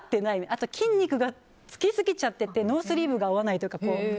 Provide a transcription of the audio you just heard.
あと筋肉がつきすぎちゃっててノースリーブが合わないとか